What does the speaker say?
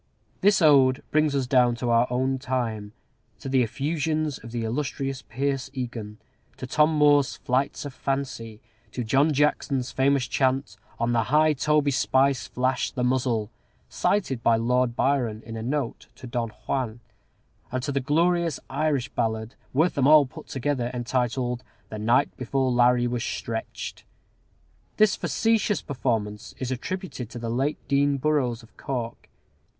This ode brings us down to our own time; to the effusions of the illustrious Pierce Egan; to Tom Moore's Flights of "Fancy;" to John Jackson's famous chant, "On the High Toby Spice Flash the Muzzle," cited by Lord Byron in a note to "Don Juan;" and to the glorious Irish ballad, worth them all put together, entitled "The Night Before Larry Was Stretched." This facetious performance is attributed to the late Dean Burrowes, of Cork.